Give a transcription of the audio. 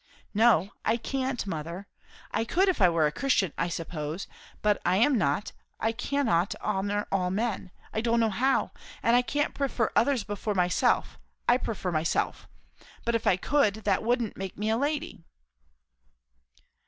"No, I can't, mother. I could if I were a Christian, I suppose; but I am not I can't 'honour all men'; I don't know how; and I can't prefer others before myself I prefer myself But if I could, that wouldn't make me a lady."